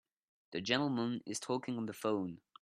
This gentleman is talking on the phone